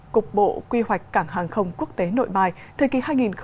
cục bộ quy hoạch cảng hàng không quốc tế nội bài thời kỳ hai nghìn hai mươi một hai nghìn ba mươi